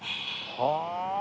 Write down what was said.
はあ！